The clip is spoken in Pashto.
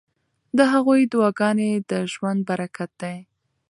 د هغوی دعاګانې د ژوند برکت دی.